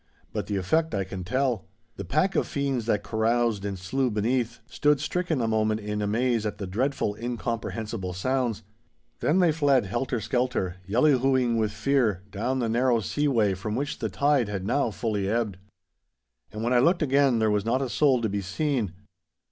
But the effect I can tell. The pack of fiends that caroused and slew beneath, stood stricken a moment in amaze at the dreadful, incomprehensible sounds. Then they fled helter skelter, yellyhooing with fear, down the narrow sea way from which the tide had now fully ebbed. And when I looked again, there was not a soul to be seen.